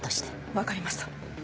分かりました。